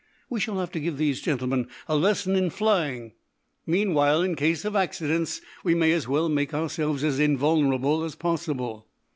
We shall have to give these gentlemen a lesson in flying. Meanwhile, in case of accidents, we may as well make ourselves as invulnerable as possible."